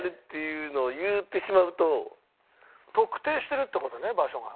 特定してるって事ね場所が。